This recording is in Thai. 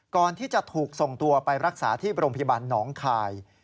ก่อนที่จะถูกส่งตัวไปรักษาที่โรงพยาบาลหนองคาย